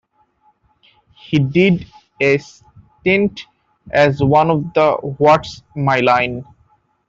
He did a stint as one of the What's My Line?